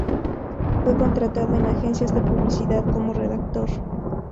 Fue contratado en agencias de publicidad como redactor.